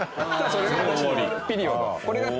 これがピリオド。